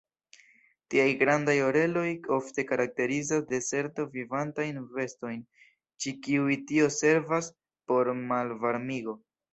Tiaj grandaj oreloj ofte karakterizas deserto-vivantajn bestojn, ĉi kiuj tio servas por malvarmigo.